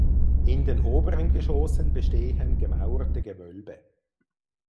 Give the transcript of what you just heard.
In den oberen Geschossen bestehen gemauerte Gewölbe.